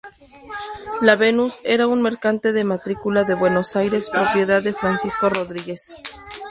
La "Venus" era un mercante de matrícula de Buenos Aires propiedad de Francisco Rodríguez.